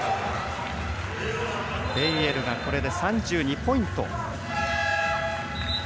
ベイエルがこれで３２ポイント。